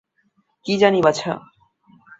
কী জানি বাছা!